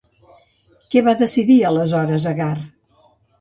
Què va decidir, aleshores, Agar?